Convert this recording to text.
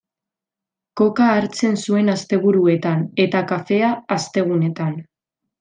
Koka hartzen zuen asteburuetan eta kafea astegunetan.